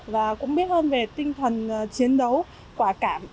và cũng biết hơn về tinh thần chiến đấu quả cảm